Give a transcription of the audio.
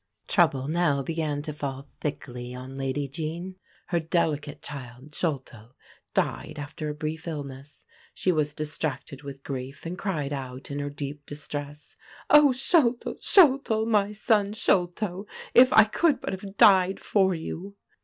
Trouble now began to fall thickly on Lady Jean. Her delicate child, Sholto, died after a brief illness. She was distracted with grief, and cried out in her deep distress: "O Sholto! Sholto! my son Sholto! if I could but have died for you!"